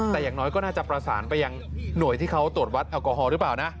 แต่อย่างน้อยก็น่าจะประสานไปยังหน่วยที่เขาตรวจวัดแอลกอฮอลหรือเปล่านะ